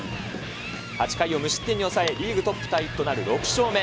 ８回を無失点に抑え、リーグトップタイとなる６勝目。